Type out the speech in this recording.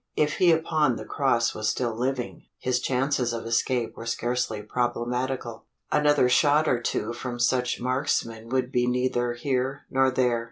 If he upon the cross was still living, his chances of escape were scarcely problematical. Another shot or two from such marksmen would be neither here nor there.